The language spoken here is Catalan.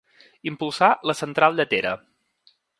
Impulsà la Central Lletera.